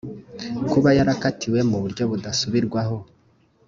kuba yarakatiwe ku buryo budasubirwaho